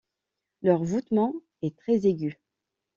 Leur voûtement est très aigu.